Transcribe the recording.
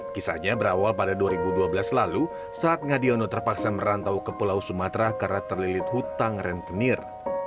kisahnya berawal pada dua ribu dua belas lalu saat ngadiono terpaksa merantau ke pulau sumatera karena terlilit hutang rentenir